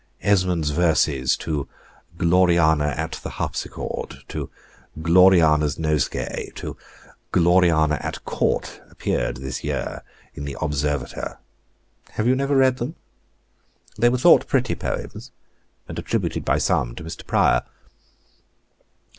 Esmond's verses to "Gloriana at the Harpsichord," to "Gloriana's Nosegay," to "Gloriana at Court," appeared this year in the Observator. Have you never read them? They were thought pretty poems, and attributed by some to Mr. Prior.